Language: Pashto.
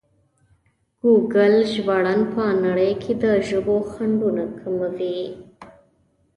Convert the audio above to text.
ګوګل ژباړن په نړۍ کې د ژبو خنډونه کموي.